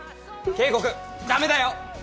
圭吾君駄目だよ！